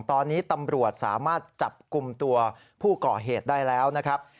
ตอนนี้ตำรวจสามารถจับกลุ่มตัวผู้ก่อเหตุได้แล้วนะครับ